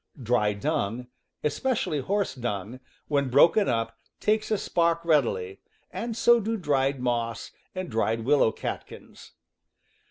Dry dung, especially horse dung, when broken up, takes a spark readily, and so do dried moss and dried willow catkins.